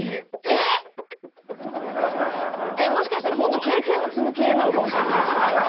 えっもしかしたら本当経験を積む系なのかもしれない。